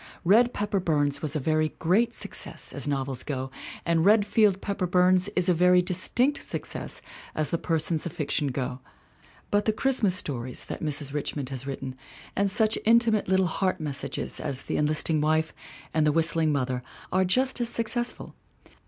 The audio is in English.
Red Pepper Burns was a very great suc cess as novels go and Redfield Pepper Burns is a very distinct success as the persons of fiction go; but the Christmas stories that Mrs. Richmond has written and such intimate little heart messages as The Enlisting Wife and The Whistling Mother are just as success ful.